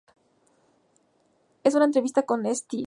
En una entrevista con St.